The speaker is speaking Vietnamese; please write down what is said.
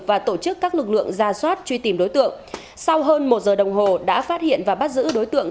và tổ chức các lực lượng ra soát truy tìm đối tượng sau hơn một giờ đồng hồ đã phát hiện và bắt giữ đối tượng